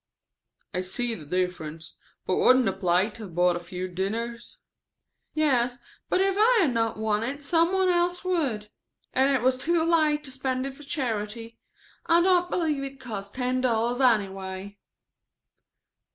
"I see there is a difference; but wouldn't the plate have bought a few dinners?" "Yes, but if I had not won it some one else would. And it was too late to spend it for charity. I don't believe it cost ten dollars anyway."